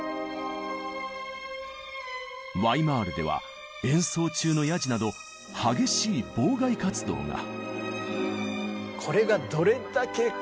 ワイマールでは演奏中のやじなど激しい妨害活動が。